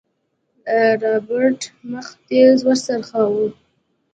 رابرټ مخ تېز وڅرخوه.